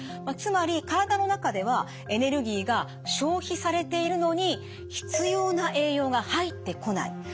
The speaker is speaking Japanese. つまり体の中ではエネルギーが消費されているのに必要な栄養が入ってこない。